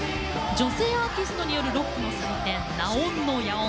女性アーティストによるロックの祭典ＮＡＯＮのＹＡＯＮ。